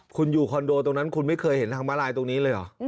คุณอยู่คอนโดตรงนั้นคุณไม่เคยเห็นทางมาลายตรงนี้เลยเหรอ